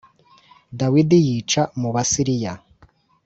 Dawidi yica mu Basiriya